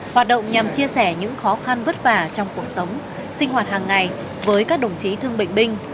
hoạt động nhằm chia sẻ những khó khăn vất vả trong cuộc sống sinh hoạt hàng ngày với các đồng chí thương bệnh binh